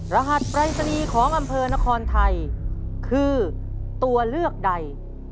รหัสปรายศนีย์ของอำเภอนครไทยคือตัวเลือกใด